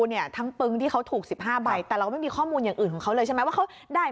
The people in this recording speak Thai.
เนี่ยทั้งปึงที่เขาถูก๑๕ใบแต่เราก็ไม่มีข้อมูลอย่างอื่นของเขาเลยใช่ไหมว่าเขาได้